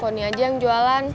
ini aja yang jualan